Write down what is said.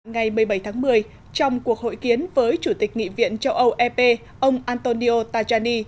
ngày một mươi bảy tháng một mươi trong cuộc hội kiến với chủ tịch nghị viện châu âu ep ông antonio tajani